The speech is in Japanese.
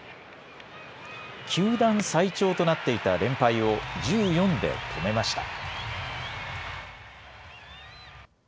球団最長となっていた連敗を、１４で止めました。